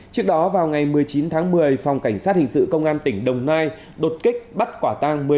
trước đó vào ngày một mươi chín tháng một mươi phòng cảnh sát hình sự công an tỉnh đồng nai đột kích bắt quả tang